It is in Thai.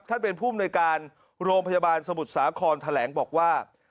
ท่านเป็นผู้บริการโรงพยาบาลสมุทรสาของทะแหลงบอกว่า